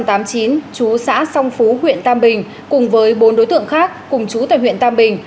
trú xã song phú huyện tam bình cùng với bốn đối tượng khác cùng trú tại huyện tam bình